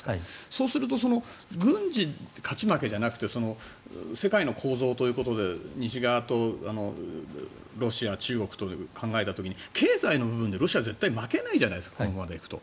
そうすると軍事勝ち負けじゃなくて世界の構造ということで西側とロシア、中国と考えた時に経済の部分でロシアは絶対負けないじゃないですかこのままいくと。